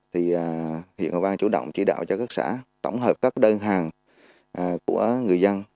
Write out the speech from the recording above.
thì huyện hòa vang chủ động chỉ đạo cho các xã tổng hợp các đơn hàng của người dân